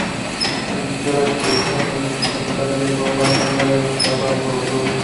Dirigió la expedición a la Antártida que por primera vez alcanzó el Polo Sur.